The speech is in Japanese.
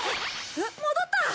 戻った！